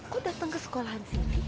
kok datang ke sekolah ini